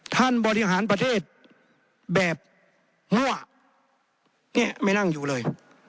บริหารประเทศแบบมั่วเนี่ยไม่นั่งอยู่เลย